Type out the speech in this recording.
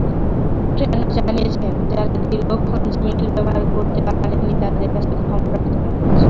ট্রেনর জানিয়েছেন, যাঁরা দীর্ঘক্ষণ জিমেইল ব্যবহার করতে পারেননি তাঁদের কাছে ক্ষমা প্রার্থনা করছি।